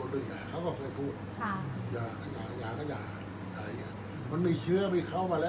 อันไหนที่มันไม่จริงแล้วอาจารย์อยากพูด